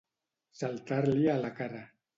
Saltar-li a la cara.